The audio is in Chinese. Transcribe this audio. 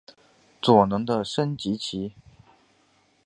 左龙的升级棋。